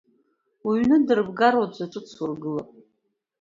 Уҩны дырбгар, уаҵә аҿыц ургылап…